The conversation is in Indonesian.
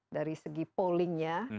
dari segi pollingnya